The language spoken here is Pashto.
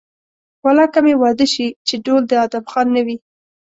والله که مې واده شي چې ډول د ادم خان نه وي.